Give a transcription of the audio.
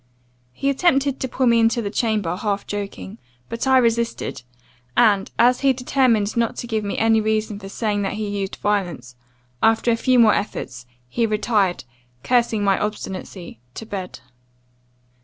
He attempted to pull me into the chamber, half joking. But I resisted; and, as he had determined not to give me any reason for saying that he used violence, after a few more efforts, he retired, cursing my obstinacy, to bed.